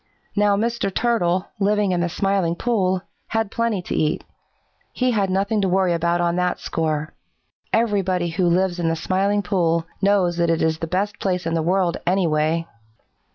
Now Mr. Turtle, living in the Smiling Pool, had plenty to eat. He had nothing to worry about on that score. Everybody who lives in the Smiling Pool knows that it is the best place in the world, anyway."